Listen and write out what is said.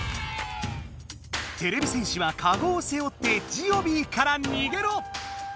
てれび戦士はかごをせおってジオビーからにげろ！